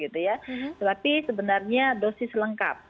tetapi sebenarnya dosis lengkap